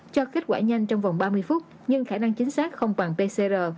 cho kết quả nhanh trong vòng ba mươi phút nhưng khả năng chính xác không bằng pcr